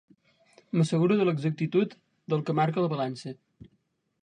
M'asseguro de l'exactitud del que marca la balança.